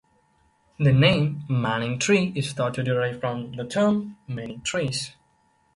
The name Manningtree is thought to derive from 'many trees'.